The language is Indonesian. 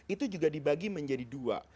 itu juga dibagi menjadi dua